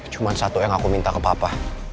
cuma satu yang aku minta ke papa